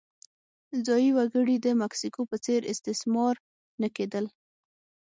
ځايي وګړي د مکسیکو په څېر استثمار نه کېدل.